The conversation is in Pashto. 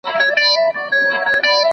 وچ لانده بوټي يې ټوله سوځوله